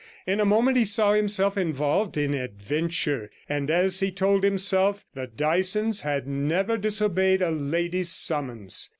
In a moment he saw himself involved in adventure; and, as he told himself, the Dysons had never disobeyed a lady's summons.